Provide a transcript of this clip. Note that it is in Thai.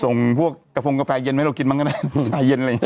ส่งพวกกระโฟงกาแฟเย็นให้เรากินบ้างก็ได้ชาเย็นอะไรอย่างนี้